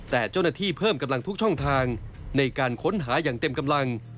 แต่เจ้าหน้าที่เพิ่มกำลังทุกช่องทางในการค้นหาอย่างเต็มกำลัง